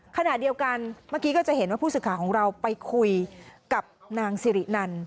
ขณะเดียวกันเมื่อกี้ก็จะเห็นว่าผู้สื่อข่าวของเราไปคุยกับนางสิรินัน